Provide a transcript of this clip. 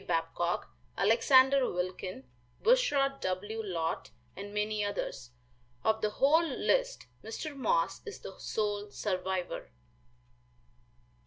Babcock, Alexander Wilkin, Bushrod W. Lott, and many others. Of the whole list, Mr. Moss is the sole survivor.